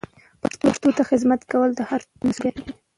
پښتو ته خدمت کول د هر پښتون مسولیت دی.